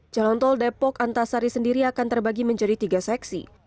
jalan tol depok antasari sendiri akan terbagi menjadi tiga seksi